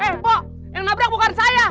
eh eh pok yang nabrak bukan saya